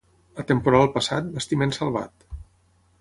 A temporal passat, bastiment salvat.